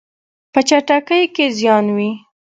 په چټکۍ کې زیان وي.